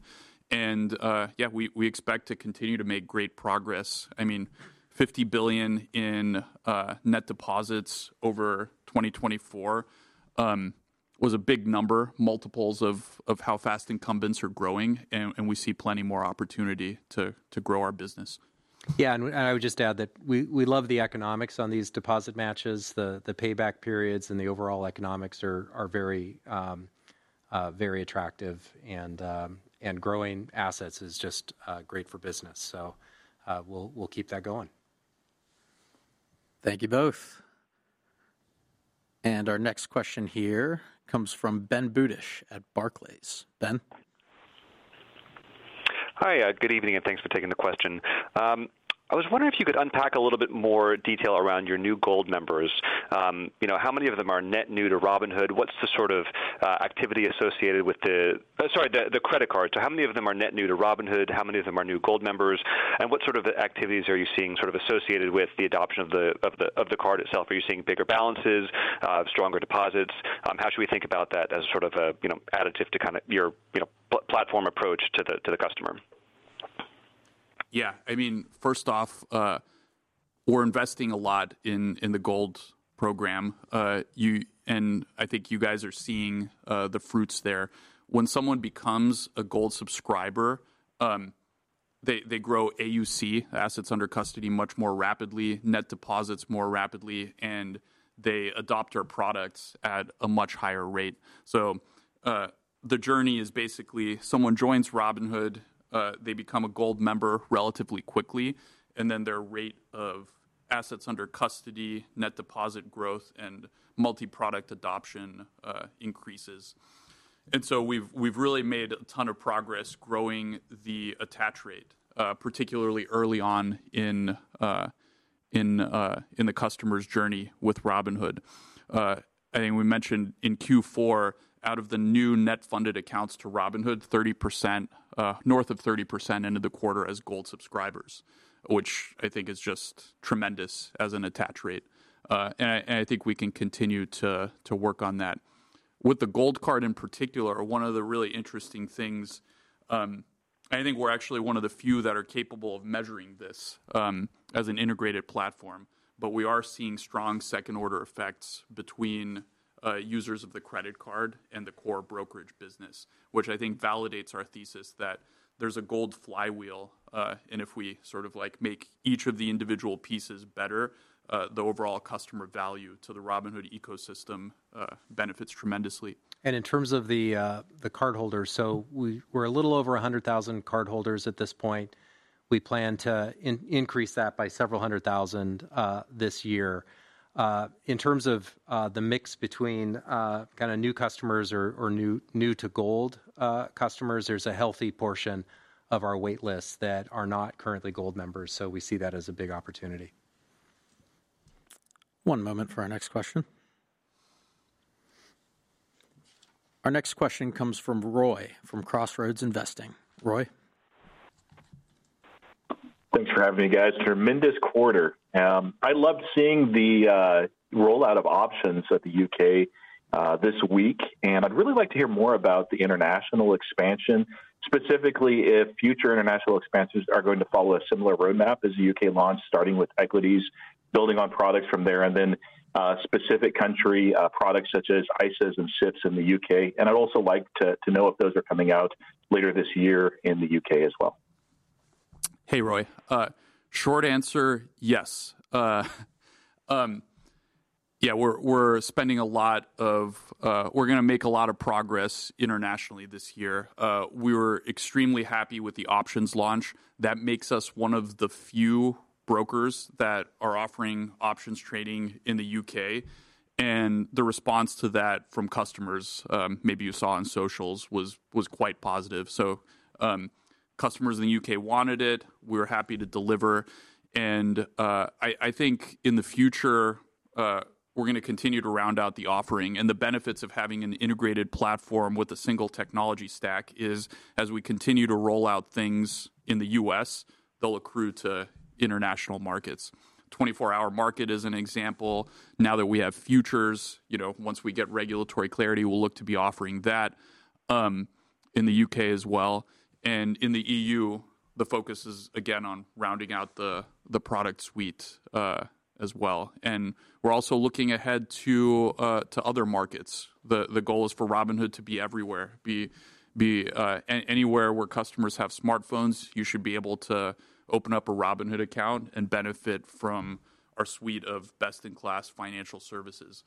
and yeah, we expect to continue to make great progress. I mean, $50 billion in net deposits over 2024 was a big number, multiples of how fast incumbents are growing, and we see plenty more opportunity to grow our business. Yeah. And I would just add that we love the economics on these deposit matches. The payback periods and the overall economics are very attractive. And growing assets is just great for business. So we'll keep that going. Thank you both. And our next question here comes from Ben Budish at Barclays. Ben. Hi. Good evening and thanks for taking the question. I was wondering if you could unpack a little bit more detail around your new Gold members. How many of them are net new to Robinhood? What's the sort of activity associated with the, sorry, the credit card? So how many of them are net new to Robinhood? How many of them are new Gold members? And what sort of activities are you seeing sort of associated with the adoption of the card itself? Are you seeing bigger balances, stronger deposits? How should we think about that as sort of an additive to kind of your platform approach to the customer? Yeah. I mean, first off, we're investing a lot in the Gold program, and I think you guys are seeing the fruits there. When someone becomes a Gold subscriber, they grow AUC, assets under custody, much more rapidly, net deposits more rapidly, and they adopt our products at a much higher rate. So the journey is basically someone joins Robinhood, they become a Gold member relatively quickly, and then their rate of assets under custody, net deposit growth, and multi-product adoption increases, and so we've really made a ton of progress growing the attach rate, particularly early on in the customer's journey with Robinhood. I think we mentioned in Q4, out of the new net funded accounts to Robinhood, 30%, north of 30% into the quarter as Gold subscribers, which I think is just tremendous as an attach rate, and I think we can continue to work on that. With the Gold card in particular, one of the really interesting things, I think we're actually one of the few that are capable of measuring this as an integrated platform, but we are seeing strong second order effects between users of the credit card and the core brokerage business, which I think validates our thesis that there's a Gold flywheel, and if we sort of make each of the individual pieces better, the overall customer value to the Robinhood ecosystem benefits tremendously. In terms of the cardholders, so we're a little over 100,000 cardholders at this point. We plan to increase that by several hundred thousand this year. In terms of the mix between kind of new customers or new to Gold customers, there's a healthy portion of our wait lists that are not currently Gold members. We see that as a big opportunity. One moment for our next question. Our next question comes from Roy from Crossroads Investing. Roy. Thanks for having me, guys. Tremendous quarter. I loved seeing the rollout of options at the U.K. this week, and I'd really like to hear more about the international expansion, specifically if future international expansions are going to follow a similar roadmap as the U.K. launched, starting with equities, building on products from there, and then specific country products such as ISAs and SIPPs in the U.K., and I'd also like to know if those are coming out later this year in the U.K. as well. Hey, Roy. Short answer, yes. Yeah, we're going to make a lot of progress internationally this year. We were extremely happy with the options launch. That makes us one of the few brokers that are offering options trading in the U.K. The response to that from customers, maybe you saw on socials, was quite positive. Customers in the U.K. wanted it. We were happy to deliver. I think in the future, we're going to continue to round out the offering. The benefits of having an integrated platform with a single technology stack is, as we continue to roll out things in the U.S., they'll accrue to international markets. 24 Hour Market is an example. Now that we have futures, once we get regulatory clarity, we'll look to be offering that in the U.K. as well. In the EU, the focus is, again, on rounding out the product suite as well. We're also looking ahead to other markets. The goal is for Robinhood to be everywhere, be anywhere where customers have smartphones. You should be able to open up a Robinhood account and benefit from our suite of best-in-class financial services.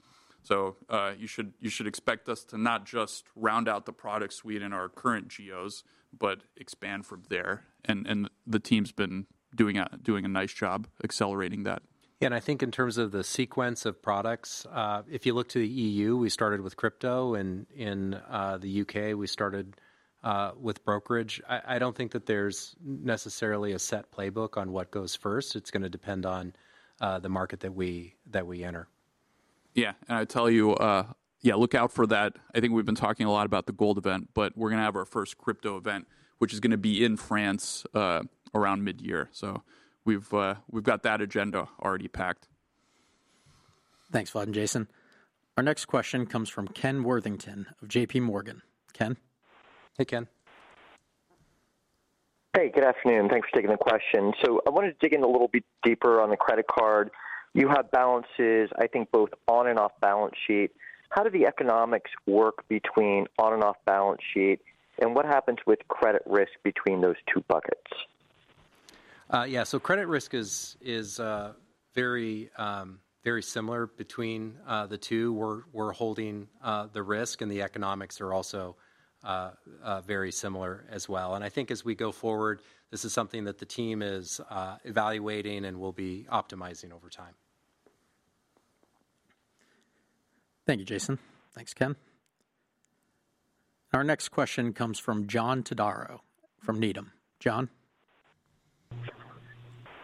You should expect us to not just round out the product suite in our current geos, but expand from there. The team's been doing a nice job accelerating that. Yeah. And I think in terms of the sequence of products, if you look to the E.U., we started with crypto. And in the U.K., we started with brokerage. I don't think that there's necessarily a set playbook on what goes first. It's going to depend on the market that we enter. Yeah. And I'd tell you, yeah, look out for that. I think we've been talking a lot about the Gold event. But we're going to have our first crypto event, which is going to be in France around mid-year. So we've got that agenda already packed. Thanks, Vlad and Jason. Our next question comes from Ken Worthington of J.P. Morgan. Ken. Hey, Ken. Hey, good afternoon. Thanks for taking the question. So I wanted to dig in a little bit deeper on the credit card. You have balances, I think, both on and off balance sheet. How do the economics work between on and off balance sheet? And what happens with credit risk between those two buckets? Yeah. So credit risk is very similar between the two. We're holding the risk. And the economics are also very similar as well. And I think as we go forward, this is something that the team is evaluating and will be optimizing over time. Thank you, Jason. Thanks, Ken. Our next question comes from John Todaro from Needham. John.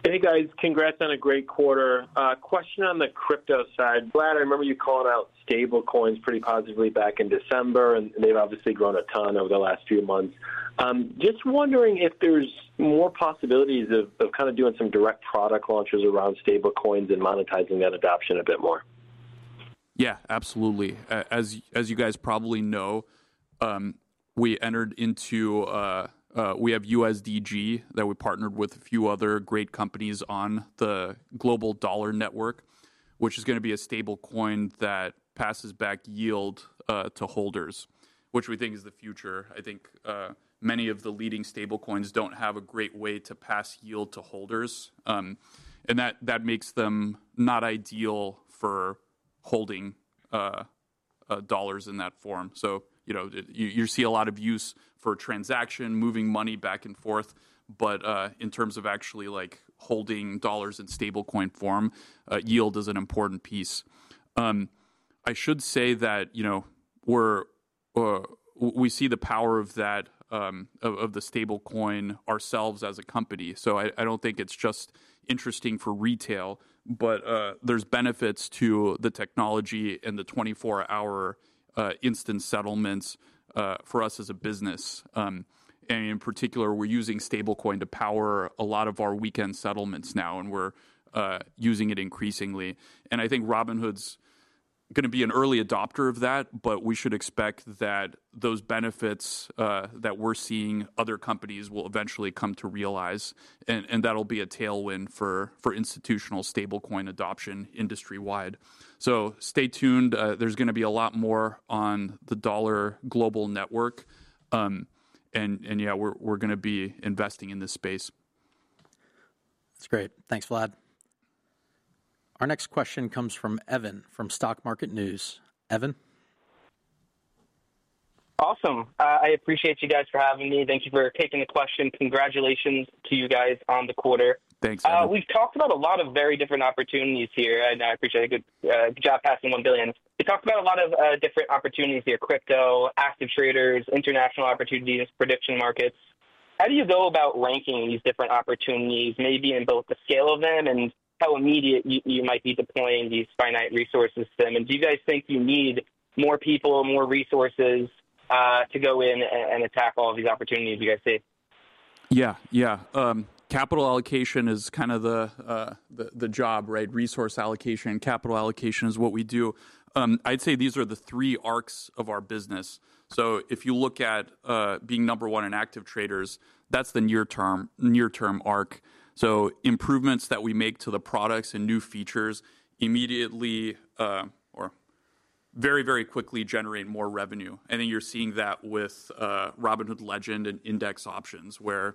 Hey, guys. Congrats on a great quarter. Question on the crypto side. Vlad, I remember you called out stablecoins pretty positively back in December. And they've obviously grown a ton over the last few months. Just wondering if there's more possibilities of kind of doing some direct product launches around stablecoins and monetizing that adoption a bit more. Yeah, absolutely. As you guys probably know, we have USDG that we partnered with a few other great companies on the Global Dollar Network, which is going to be a stablecoin that passes back yield to holders, which we think is the future. I think many of the leading stablecoins don't have a great way to pass yield to holders. And that makes them not ideal for holding dollars in that form. So you see a lot of use for transaction, moving money back and forth. But in terms of actually holding dollars in stablecoin form, yield is an important piece. I should say that we see the power of the stablecoin ourselves as a company. So I don't think it's just interesting for retail. But there's benefits to the technology and the 24-hour instant settlements for us as a business. And in particular, we're using stablecoin to power a lot of our weekend settlements now. And we're using it increasingly. And I think Robinhood's going to be an early adopter of that. But we should expect that those benefits that we're seeing other companies will eventually come to realize. And that'll be a tailwind for institutional stablecoin adoption industry-wide. So stay tuned. There's going to be a lot more on the Global Dollar Network. And yeah, we're going to be investing in this space. That's great. Thanks, Vlad. Our next question comes from Evan from Stock Market News. Evan. Awesome. I appreciate you guys for having me. Thank you for taking the question. Congratulations to you guys on the quarter. Thanks, Evan. We've talked about a lot of very different opportunities here, and I appreciate a good job passing one billion. We talked about a lot of different opportunities here: crypto, active traders, international opportunities, prediction markets. How do you go about ranking these different opportunities, maybe in both the scale of them and how immediate you might be deploying these finite resources to them, and do you guys think you need more people, more resources to go in and attack all of these opportunities you guys see? Yeah, yeah. Capital allocation is kind of the job, right? Resource allocation and capital allocation is what we do. I'd say these are the three arcs of our business. So if you look at being number one in active traders, that's the near-term arc. So improvements that we make to the products and new features immediately or very, very quickly generate more revenue. I think you're seeing that with Robinhood Legend and index options, where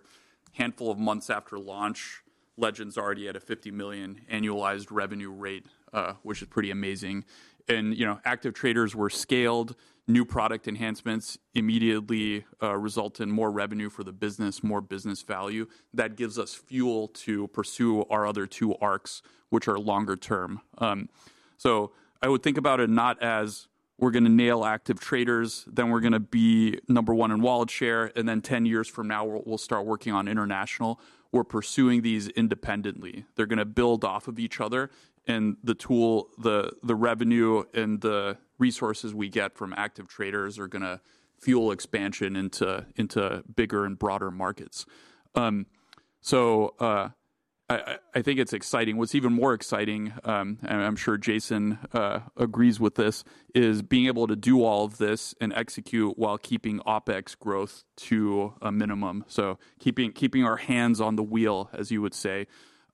a handful of months after launch, Legend's already at a $50 million annualized revenue rate, which is pretty amazing. And active traders were scaled. New product enhancements immediately result in more revenue for the business, more business value. That gives us fuel to pursue our other two arcs, which are longer term. I would think about it not as we're going to nail active traders, then we're going to be number one in wallet share. And then 10 years from now, we'll start working on international. We're pursuing these independently. They're going to build off of each other. And the tool, the revenue, and the resources we get from active traders are going to fuel expansion into bigger and broader markets. So I think it's exciting. What's even more exciting, and I'm sure Jason agrees with this, is being able to do all of this and execute while keeping OpEx growth to a minimum. So keeping our hands on the wheel, as you would say.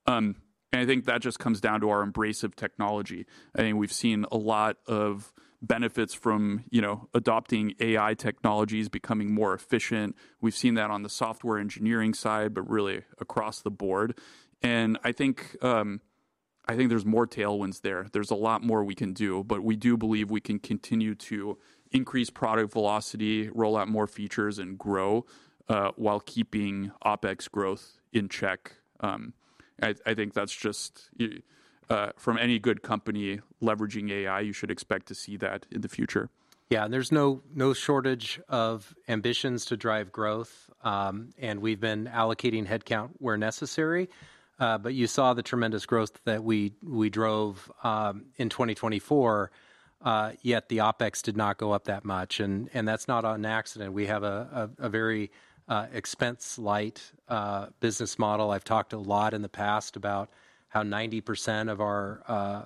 And I think that just comes down to our embrace of technology. I think we've seen a lot of benefits from adopting AI technologies becoming more efficient. We've seen that on the software engineering side, but really across the board. And I think there's more tailwinds there. There's a lot more we can do. But we do believe we can continue to increase product velocity, roll out more features, and grow while keeping OpEx growth in check. I think that's just from any good company leveraging AI. You should expect to see that in the future. Yeah. And there's no shortage of ambitions to drive growth. And we've been allocating headcount where necessary. But you saw the tremendous growth that we drove in 2024. Yet the OpEx did not go up that much. And that's not an accident. We have a very expense-light business model. I've talked a lot in the past about how 90% of our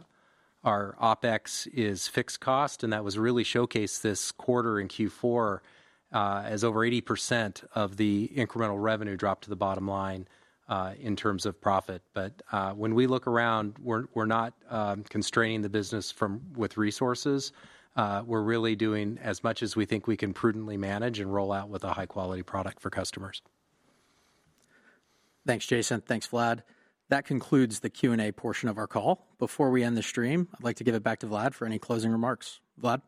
OpEx is fixed cost. And that was really showcased this quarter in Q4 as over 80% of the incremental revenue dropped to the bottom line in terms of profit. But when we look around, we're not constraining the business with resources. We're really doing as much as we think we can prudently manage and roll out with a high-quality product for customers. Thanks, Jason. Thanks, Vlad. That concludes the Q&A portion of our call. Before we end the stream, I'd like to give it back to Vlad for any closing remarks. Vlad?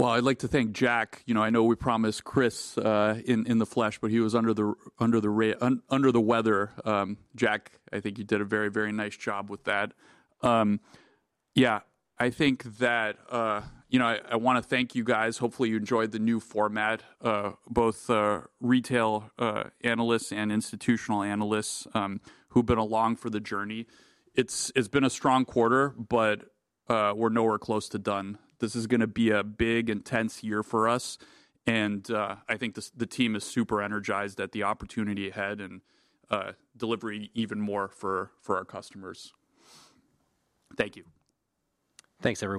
I'd like to thank Jack. You know, I know we promised Chris in the flesh, but he was under the weather. Jack, I think you did a very, very nice job with that. Yeah, I think that I want to thank you guys. Hopefully, you enjoyed the new format, both retail analysts and institutional analysts who've been along for the journey. It's been a strong quarter, but we're nowhere close to done. This is going to be a big, intense year for us. I think the team is super energized at the opportunity ahead and delivering even more for our customers. Thank you. Thanks, everyone.